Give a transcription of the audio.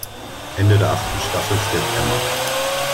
Ende der achten Staffel stirbt Emma.